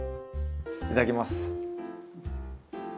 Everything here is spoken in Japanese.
いただきます。